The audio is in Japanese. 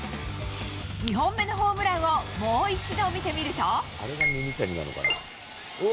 ２本目のホームランをもう一度、見てみると。